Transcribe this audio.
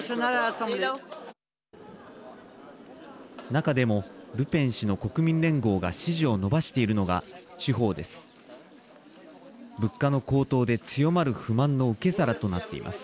中でもルペン氏の国民連合が支持を伸ばしているのが地方です。